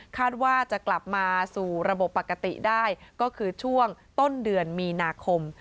คาดว่าจะกลับมาสู่ระบบปกติได้ก็คือช่วงต้นเดือนมีนาคม